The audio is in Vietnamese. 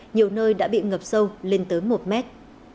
nhiều nơi đã bị ngập sâu lên tới một mét